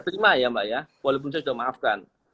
terima ya mbak ya walaupun saya sudah maafkan